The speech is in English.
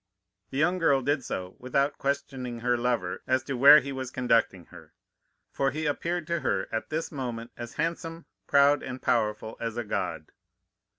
"The young girl did so without questioning her lover as to where he was conducting her, for he appeared to her at this moment as handsome, proud, and powerful as a god.